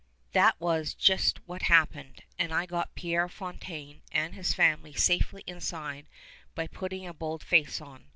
That was just what happened, and I got Pierre Fontaine and his family safely inside by putting a bold face on.